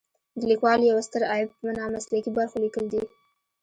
د لیکوالو یو ستر عیب په نامسلکي برخو لیکل دي.